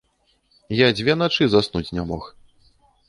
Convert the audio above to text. Я дзве начы заснуць не мог.